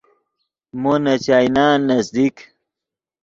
مو نے چائینان نزدیک